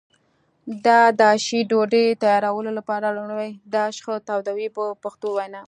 د داشي ډوډۍ تیارولو لپاره لومړی داش ښه تودوي په پښتو وینا.